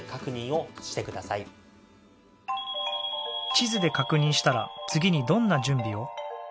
地図で確認したら次にどんな準備を？